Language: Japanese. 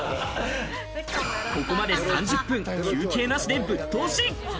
ここまで３０分休憩なしでぶっ通し。